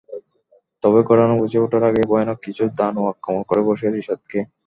তবে ঘটনা বুঝে ওঠার আগেই ভয়ানক কিছু দানো আক্রমণ করে বসে রিশাদকে।